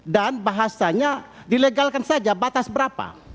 dan bahasanya dilegalkan saja batas berapa